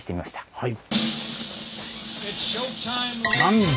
はい。